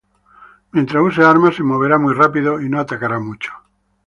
Mientras use armas se moverá muy rápido y no atacará mucho.